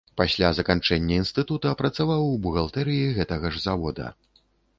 Пасля заканчэння інстытута працаваў у бухгалтэрыі гэтага ж завода.